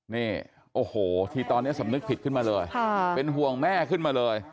นี่โอ้โหที่ตอนนี้สำนึกผิดขึ้นมาเลยเป็นห่วงแม่ขึ้นมาเลย